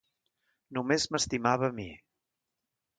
Només m'estimava a mi.